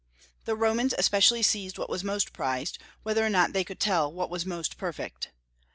The Romans especially seized what was most prized, whether or not they could tell what was most perfect.